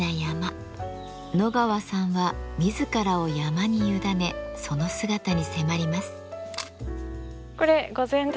野川さんは自らを山に委ねその姿に迫ります。